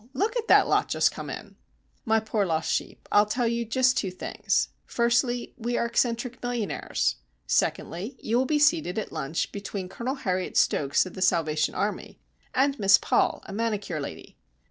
Look at that lot just come in." "My poor lost sheep, I'll tell you just two things. Firstly, we are eccentric millionaires. Secondly, you will be seated at lunch between Colonel Harriet Stokes, of the Salvation Army, and Miss Paul, a manicure lady."